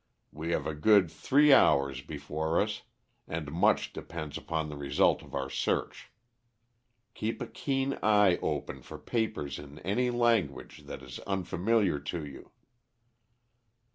We have a good three hours before us and much depends upon the result of our search. Keep a keen eye open for papers in any language that is unfamiliar to you."